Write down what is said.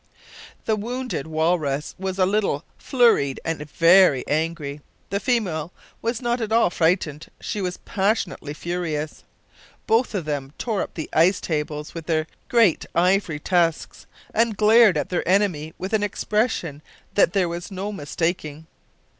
The wounded walrus was a little flurried and very angry; the female was not at all frightened, she was passionately furious! Both of them tore up the ice tables with their great ivory tusks, and glared at their enemy with an expression that there was no mistaking.